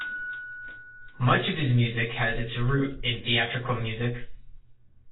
Much of his music has its root in theatrical music.